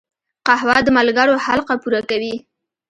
قهوه د ملګرو حلقه پوره کوي